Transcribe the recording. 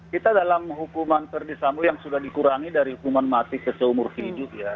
kita dalam hukuman ferdi sambo yang sudah dikurangi dari hukuman mati keseumur hidup ya